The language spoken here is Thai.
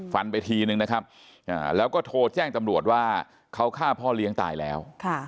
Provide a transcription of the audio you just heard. ฟันไปทีนึงนะครับแล้วก็โทรแจ้งตำรวจว่าเขาฆ่าพ่อเลี้ยงตายแล้ว